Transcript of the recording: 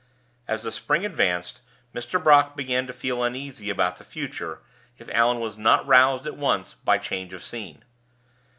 As the spring advanced, Mr. Brock began to feel uneasy about the future, if Allan was not roused at once by change of scene.